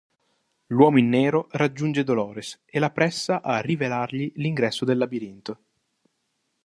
L'Uomo in Nero raggiunge Dolores e la pressa a rivelargli l'ingresso del labirinto.